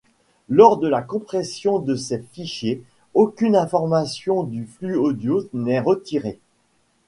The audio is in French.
Lors de la compression de ces fichiers, aucune information du flux audio n’est retirée.